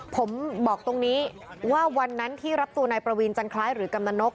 ผมบอกตรงนี้ว่าวันนั้นที่รับตัวนายประวีนจันคล้ายหรือกำนันนก